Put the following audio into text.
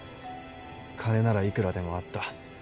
金ならいくらでもあった。